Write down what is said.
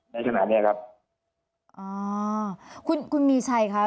ในขณะเนี้ยครับอ๋อคุณคุณมีชัยค่ะ